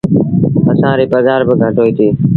اسآݩ ريٚ پگھآر با گھٽ هوئيتيٚ۔